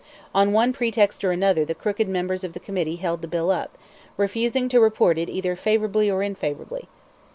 On one pretext or another the crooked members of the committee held the bill up, refusing to report it either favorably or unfavorably.